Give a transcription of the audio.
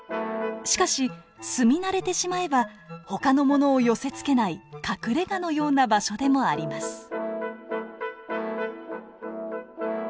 しかし住み慣れてしまえばほかの者を寄せつけない隠れがのような場所でもあります。